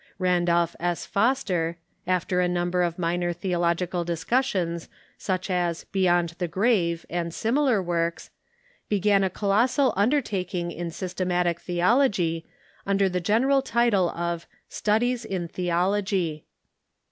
Randolph S. Foster, after a number of minor theological discussions, such as "Beyond the Grave" and similar works, began a colossal undertaking in systematic theology, under the general title of " Studies in Theology."